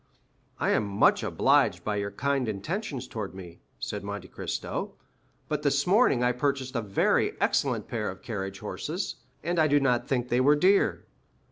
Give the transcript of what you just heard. "I am much obliged by your kind intentions towards me," said Monte Cristo; "but this morning I purchased a very excellent pair of carriage horses, and I do not think they were dear.